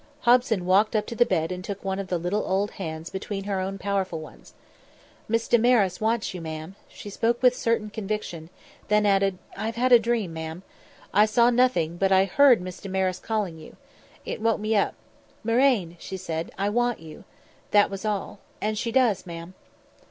Hobson walked up to the bed and took one of the little old hands between her own powerful ones. "Miss Damaris wants you, ma'am." She spoke with certain conviction; then added, "I've had a dream, ma'am. I saw nothing, but I heard Miss Damaris calling you. It woke me up. 'Marraine,' she said, 'I want you.' That was all. And she does, ma'am."